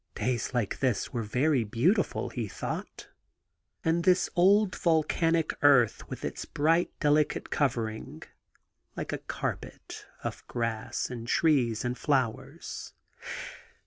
Days like this were very beautifiil, he thought, and 55 THE GARDEN GOD this old volcanic earth with its bright delicate cover ing, like a carpet, of grass and trees and flowers.